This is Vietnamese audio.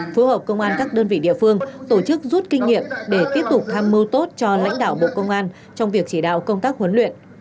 phối hợp công an các đơn vị địa phương tổ chức rút kinh nghiệm để tiếp tục tham mưu tốt cho lãnh đạo bộ công an trong việc chỉ đạo công tác huấn luyện